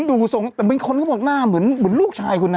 ผมดูส่งแต่มีคนเลยบอกหน้าเหมือนลูกชายคุณนะ